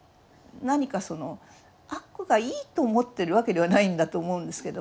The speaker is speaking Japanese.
何かその悪がいいと思ってるわけではないんだと思うんですけども。